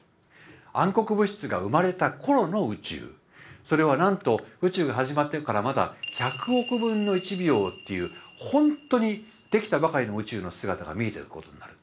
暗黒物質が生まれた頃の宇宙それはなんと宇宙が始まってからまだ１００億分の１秒っていうほんとにできたばかりの宇宙の姿が見えてることになる。